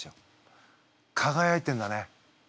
輝いてんだね。